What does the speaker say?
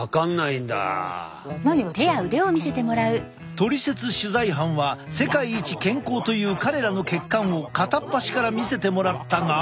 「トリセツ」取材班は世界一健康という彼らの血管を片っ端から見せてもらったが。